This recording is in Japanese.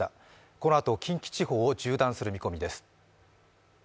このあと近畿地方を縦断する見込みです。